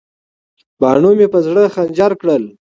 باڼو مې په زړه خنجر کړل.